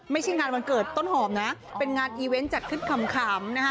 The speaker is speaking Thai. ไม่ใช่งานวันเกิดต้นหอมนะเป็นงานอีเวนต์จัดขึ้นขำนะคะ